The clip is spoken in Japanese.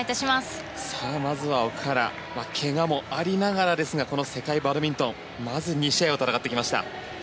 まずは奥原けがもありながらですがこの世界バドミントンまず２試合を戦ってきました。